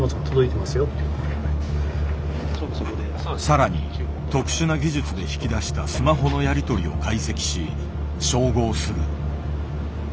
更に特殊な技術で引き出したスマホのやり取りを解析し照合する。